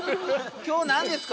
今日何ですか？